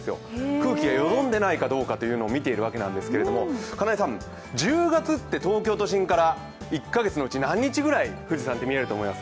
空気がよどんでいないかどうか見ているわけですが、金井さん、１０月は東京都心から１カ月のうち何日ぐらい富士山って見えると思います？